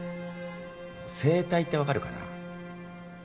声帯って分かるかな？